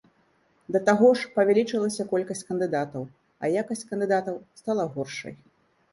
Да таго ж, павялічылася колькасць кандыдатаў, а якасць кандыдатаў стала горшай.